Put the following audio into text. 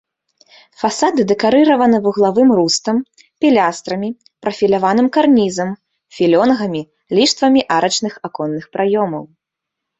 Фасады дэкарыраваны вуглавым рустам, пілястрамі, прафіляваным карнізам, філёнгамі, ліштвамі арачных аконных праёмаў.